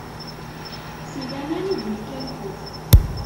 Si laman i d-ikka lxuf.